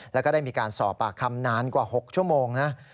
แล้วก็ได้มีการสอบปากคำนานกว่า๖ชั่วโมงนะ